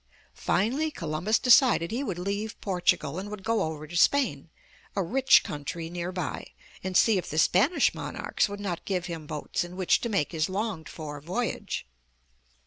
Finally Columbus decided he would leave Portugal 207 MY BOOK HOUSE and would go over to Spain, a rich country near by, and see if the Spanish monarchs would not give him boats in which to make his longed for voyage.